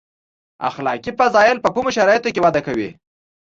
اخلاقي فضایل په کومو شرایطو کې وده کوي.